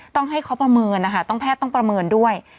ต้องให้เขาประเมินนะคะต้องแพทย์ต้องประเมินด้วย